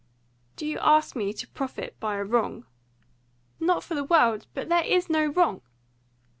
"Do you ask me to profit by a wrong?" "Not for the world. But there is no wrong!"